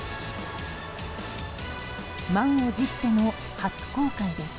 満を持しての初公開です。